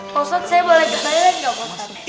pak ustaz saya boleh jemput ke toilet gak pak ustaz